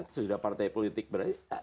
sesudah partai politik berada